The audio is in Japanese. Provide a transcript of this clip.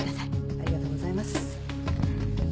ありがとうございます。